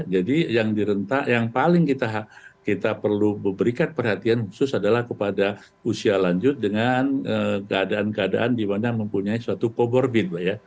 jadi yang paling kita perlu berikan perhatian khusus adalah kepada usia lanjut dengan keadaan keadaan di mana mempunyai suatu comorbid